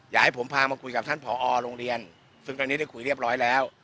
อยากให้ผมพามาคุยกับท่านผอโรงเรียนซึ่งตอนนี้ได้คุยเรียบร้อยแล้ว